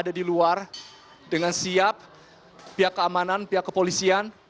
ada di luar dengan siap pihak keamanan pihak kepolisian